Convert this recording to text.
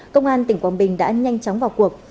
công an tỉnh quảng bình đã nhanh chóng vào cuộc